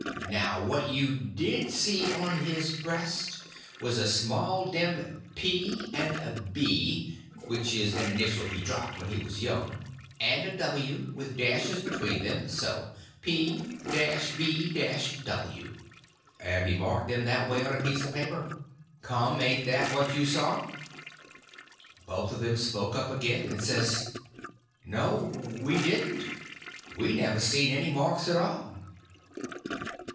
"Now, what you did see on his breast was a small dim P, and a B (which is an initial he dropped when he was young), and a W, with dashes between them, so: P—B—W"—and he marked them that way on a piece of paper. "Come, ain't that what you saw?" Both of them spoke up again, and says: "No, we didn't. We never seen any marks at all."